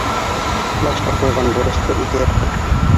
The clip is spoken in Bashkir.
Башлыҡ ҡуйған бурысты үтәр.